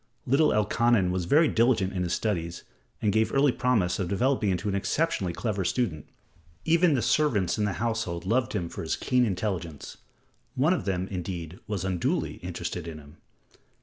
Little Elkanan was very diligent in his studies and gave early promise of developing into an exceptionally clever student. Even the servants in the household loved him for his keen intelligence. One of them, indeed, was unduly interested in him.